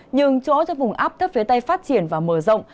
nhưng chỗ trong vùng ấp thấp phía tây phát triển và mờ rộng